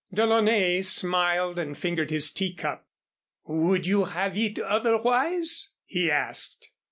DeLaunay smiled and fingered his tea cup. "Would you have it otherwise?" he asked.